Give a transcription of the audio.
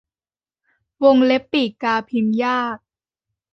วงเล็บปีกกาพิมพ์ยาก